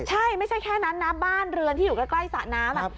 ใช่ไม่ใช่แค่นั้นนะบ้านเรือนที่อยู่ใกล้สระน้ำ